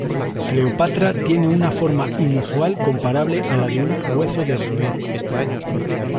Cleopatra tiene una forma inusual, comparable a la de un hueso de roer.